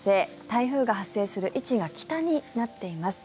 台風が発生する位置が北になっています。